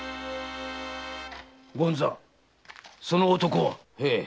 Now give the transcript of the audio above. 権三その男は？